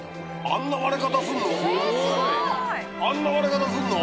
あんな割れ方すんの？